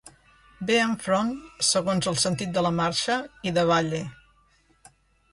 Ve enfront, segons el sentit de la marxa, i davalla.